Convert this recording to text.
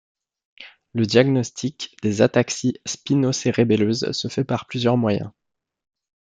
Le diagnostic des ataxies spinocérébelleuses se fait par plusieurs moyens.